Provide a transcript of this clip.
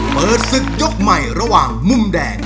เปิดศึกยกใหม่ระหว่างมุมแดง